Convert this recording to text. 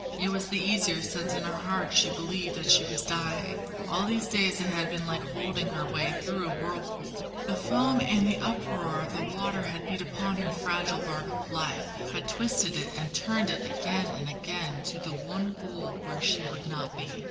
It was the easier since in her heart she believed that she was dying. All these days it had been like holding her way through a whirlpool. The foam and uproar of the water had beat upon her fragile bark of life, had twisted it and turned it again and again to the one goal where she would not be.